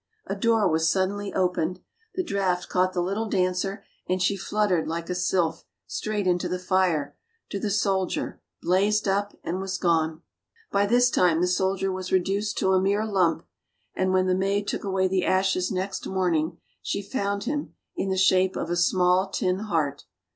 A door was suddenly opened, the draught caught the little dancer and she fluttered like a sylph, straight into the fire, to the soldier, blazed up and was gone ! By this time the soldier was reduced to a mere lump, and when the maid took away the ashes next morning she found him, in the shape of a small tin heart.